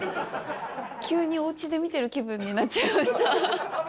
急におうちで見てる気分になっちゃいました。